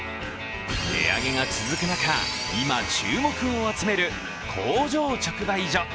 値上げが続く中、今、注目を集める工場直売所。